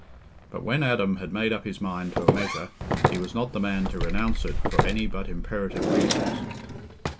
But when Adam had made up his mind to a measure, he was not the man to renounce it for any but imperative reasons.